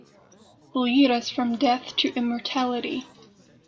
Lead us from death to immortality.